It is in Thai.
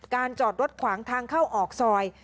จอดรถขวางทางเข้าออกซอย